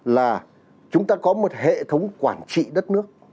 là chúng ta có một hệ thống quản trị đất nước